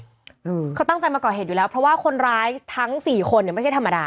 อืมเขาตั้งใจมาก่อเหตุอยู่แล้วเพราะว่าคนร้ายทั้งสี่คนเนี้ยไม่ใช่ธรรมดา